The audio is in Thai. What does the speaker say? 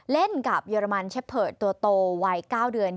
เล่นกับเยอรมันเชฟเผิร์ดตัวโตวัย๙เดือน